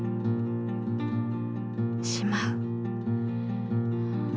しまう。